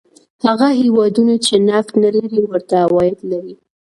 هغه هېوادونه چې نفت نه لري ورته عواید لري.